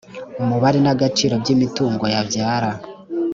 umubare n agaciro by imitungo yabyara